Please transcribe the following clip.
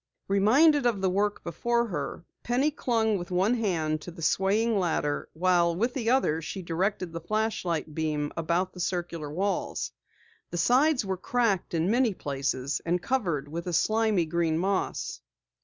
Reminded of the work before her, Penny clung with one hand to the swaying ladder, while with the other she directed the flashlight beam about the circular walls. The sides were cracked in many places and covered with a slimy green moss.